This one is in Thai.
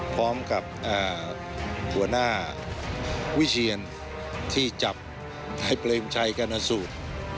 พร้อมกับหัวหน้าวิเชียรที่จับในเปรมชัยกรณสูตร